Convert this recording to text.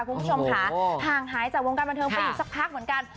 คุณผู้ชมค่ะห่างหายจากวงการบันเทิงไปอยู่สักพักเหมือนกัน